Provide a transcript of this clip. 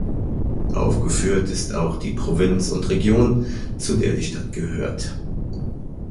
Aufgeführt ist auch die Provinz und Region, zu der die Stadt gehört.